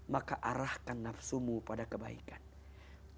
maka arahkan nafsumu pada kebaikan dan keburukan